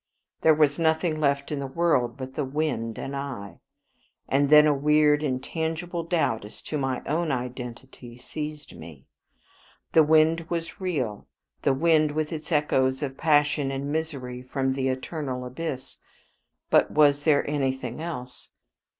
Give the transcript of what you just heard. There was nothing left in the world but the wind and I, and then a weird intangible doubt as to my own identity seized me. The wind was real, the wind with its echoes of passion and misery from the eternal abyss; but was there anything else?